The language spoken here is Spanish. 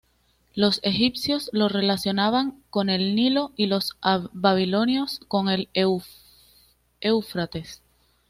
Los egipcios la relacionaban con el Nilo, y los babilonios con el Éufrates.